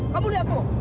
kamu lihat tuh